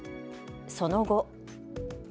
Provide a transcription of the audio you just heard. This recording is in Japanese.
その後。